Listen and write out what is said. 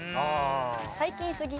最近すぎ？